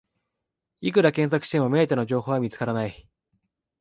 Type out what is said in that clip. いくら検索しても目当ての情報は見つからない